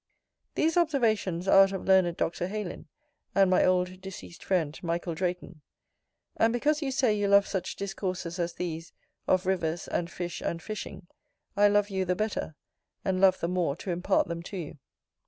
These observations are out of learned Dr. Heylin, and my old deceased friend, Michael Drayton; and because you say you love such discourses as these, of rivers, and fish, and fishing, I love you the better, and love the more to impart them to you.